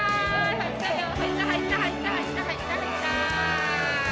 入った入った入った入った。